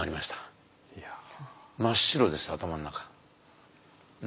真っ白です頭の中。